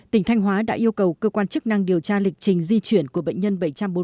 tỉnh thanh hóa đã yêu cầu cơ quan chức năng điều tra lịch trình di chuyển của bệnh nhân bảy trăm bốn mươi bốn